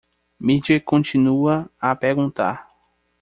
Mídia continua a perguntar